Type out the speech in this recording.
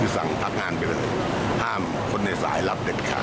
สั่งพักงานไปเลยห้ามคนในสายรับเด็ดขาด